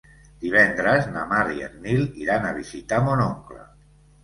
Divendres na Mar i en Nil iran a visitar mon oncle.